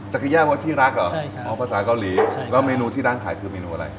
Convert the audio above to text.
จะแยกว่าที่รักเหรออ๋อภาษาเกาหลีแล้วเมนูที่ร้านขายคือเมนูอะไร